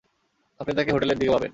আপনি তাকে হোটেলের দিকে পাবেন।